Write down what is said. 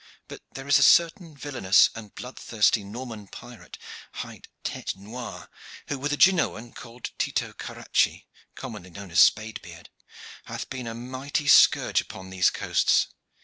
But there is a certain villainous and bloodthirsty Norman pirate hight Tete noire, who, with a Genoan called Tito Caracci, commonly known as Spade beard, hath been a mighty scourge upon these coasts.